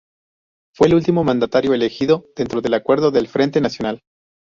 Fue el último mandatario elegido dentro del acuerdo del Frente Nacional.